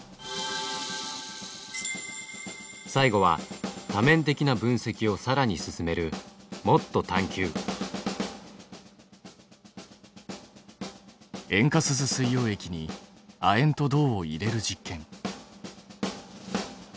最後は多面的な分析をさらに進める塩化スズ水溶液に亜鉛と銅を入れる実験。